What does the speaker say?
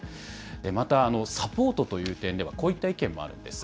またサポートという点では、こういった意見もあるんです。